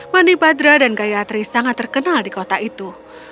mani badra dan gayatri sangat terkenal di kota itu